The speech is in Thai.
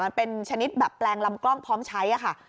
มันเป็นชนิดแบบแปลงลำกล้องพร้อมใช้ค่ะ